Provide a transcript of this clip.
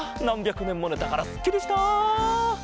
くねんもねたからすっきりした！